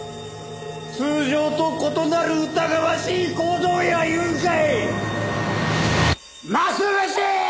通常と異なる疑わしい行動やいうんかい！？